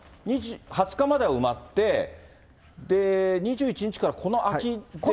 ２０日までは埋まって、で、２１日からこの空き。